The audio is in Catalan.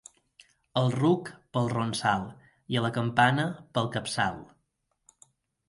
Al ruc, pel ronsal, i a la campana, pel capçal.